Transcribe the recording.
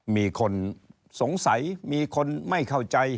มีคนสงสัยมีคนไม่เข้าใจ